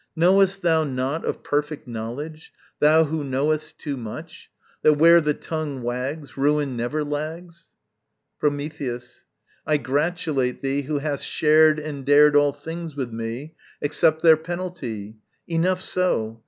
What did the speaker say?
Knowest thou not Of perfect knowledge, thou who knowest too much, That where the tongue wags, ruin never lags? Prometheus. I gratulate thee who hast shared and dared All things with me, except their penalty. Enough so!